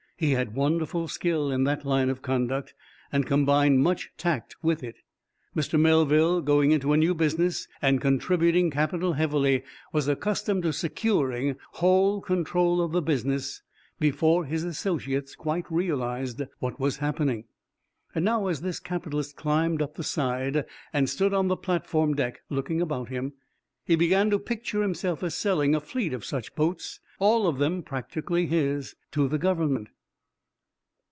He had wonderful skill in that line of conduct, and combined much tact with it. Mr. Melville, going into a new business, and contributing capital heavily, was accustomed to securing whole control of the business before his associates quite realized what was happening. Now, as this capitalist climbed up the side and stood on the platform deck, looking about him, he began to picture himself as selling a fleet of such boats all of them practically his to the Government.